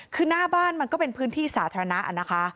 คือหน้าบ้านมันก็เป็นพื้นที่สาธารณะนะคะ